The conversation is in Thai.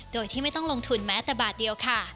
โดยที่ไม่ต้องลงทุนแม้แต่บาทเดียวค่ะ